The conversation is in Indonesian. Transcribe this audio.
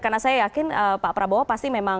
karena saya yakin pak prabowo pasti menyiapkan